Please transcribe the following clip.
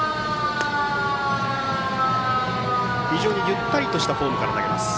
ゆったりとしたフォームから投げます。